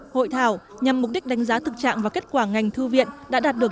hội thảo nhằm mục đích đánh giá thực trạng và kết quả ngành thư viện đã đạt được